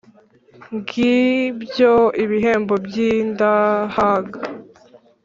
ngibyo ibihembo by’indahaga.